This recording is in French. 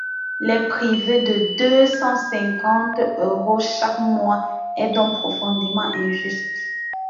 Les priver de deux cent cinquante euros chaque mois est donc profondément injuste.